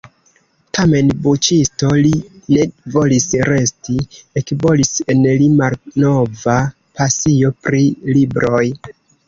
Tamen buĉisto li ne volis resti: ekbolis en li malnova pasio pri libroj.